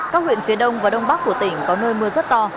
các huyện phía đông và đông bắc của tỉnh có nơi mưa rất to